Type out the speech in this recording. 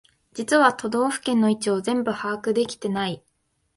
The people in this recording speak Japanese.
実は都道府県の位置を全部把握できてない